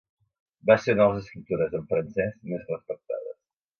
Va ser una de les escriptores en francès més respectades.